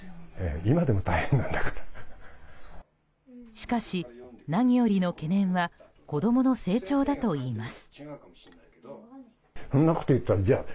しかし、何よりの懸念は子供の成長だといいます。